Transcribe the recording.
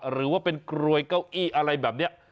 หรือว่าเป็นกรวยเก้าอี้อะไรแบบนี้